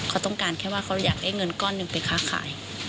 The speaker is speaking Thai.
เขาต้องการแค่ว่าเขาอยากได้เงินก้อนหนึ่งไปค้าขาย